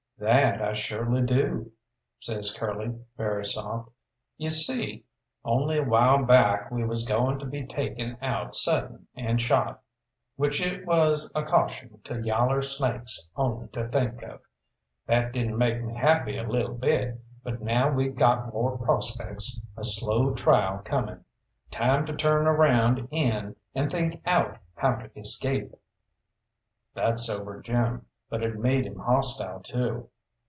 "That I shorely do," says Curly very soft. "You see, only a while back we was going to be taken out sudden and shot which it was a caution to yaller snakes only to think of. That didn't make me happy a lil' bit, but now we got more prospects, a slow trial coming, time to turn around in, and think out how to escape." That sobered Jim, but it made him hostile, too.